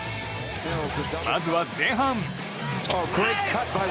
まずは前半。